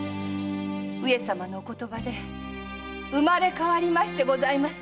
上様のお言葉で生まれ変わりましてございます。